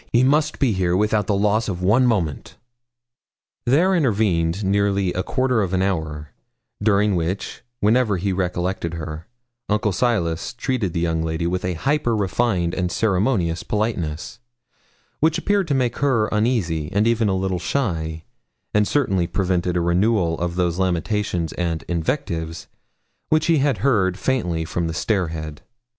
He must be here without the loss of one moment.' There intervened nearly a quarter of an hour, during which whenever he recollected her, Uncle Silas treated the young lady with a hyper refined and ceremonious politeness, which appeared to make her uneasy, and even a little shy, and certainly prevented a renewal of those lamentations and invectives which he had heard faintly from the stair head.